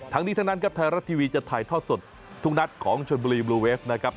ทั้งนี้ทั้งนั้นครับไทยรัฐทีวีจะถ่ายทอดสดทุกนัดของชนบุรีบลูเวฟนะครับ